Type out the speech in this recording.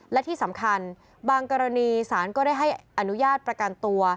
และที่สำคัญบางกรณีสารก็ได้ให้อนุญาตประกันตัว